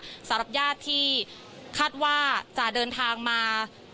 พูดสิทธิ์ข่าวธรรมดาทีวีรายงานสดจากโรงพยาบาลพระนครศรีอยุธยาครับ